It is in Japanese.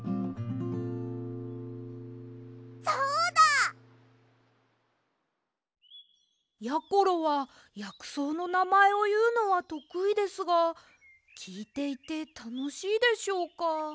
そうだ！やころはやくそうのなまえをいうのはとくいですがきいていてたのしいでしょうか？